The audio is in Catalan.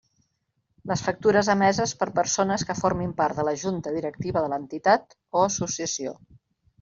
Les factures emeses per persones que formin part de la Junta directiva de l'entitat o associació.